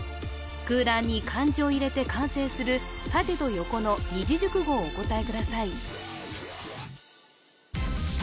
空欄に漢字を入れて完成する縦と横の二字熟語をお答えください